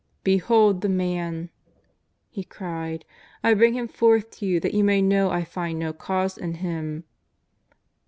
"' Behold the Man !" he cried. " I bring Ilim forth to yon that you may know I find no cause in Him.''